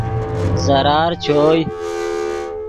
ضرار چوئے